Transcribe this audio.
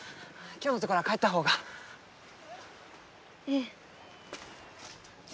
今日のところは帰ったほうがええ